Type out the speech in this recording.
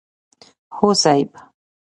هو صيب!